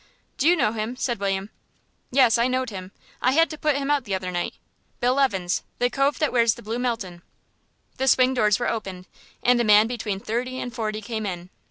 "Do you know him?" said William. "Yes, I knowed him. I had to put him out the other night Bill Evans, the cove that wears the blue Melton." The swing doors were opened, and a man between thirty and forty came in.